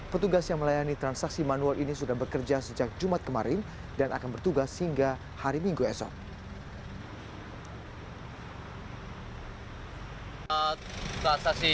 petugas yang melayani transaksi manual ini sudah bekerja sejak jumat kemarin dan akan bertugas hingga hari minggu esok